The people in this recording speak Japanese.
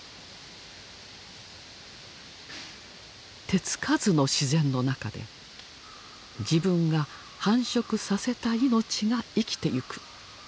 手つかずの自然の中で自分が繁殖させた命が生きていく。